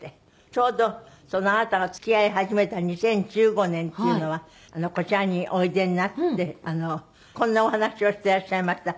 ちょうどあなたが付き合い始めた２０１５年っていうのはこちらにおいでになってこんなお話をしてらっしゃいました。